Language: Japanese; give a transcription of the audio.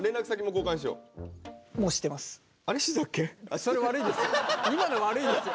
それ悪いですよ。